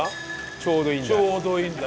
ちょうどいいんだよ。